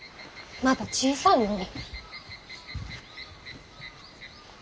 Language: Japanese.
まだ小さいのに。